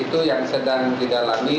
itu yang sedang didalami